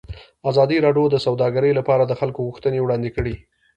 ازادي راډیو د سوداګري لپاره د خلکو غوښتنې وړاندې کړي.